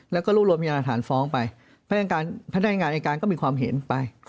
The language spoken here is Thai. แล้วก็รู้รวมอย่างอาถารณ์ฟ้องไปพนักงานในการก็มีความเห็นไป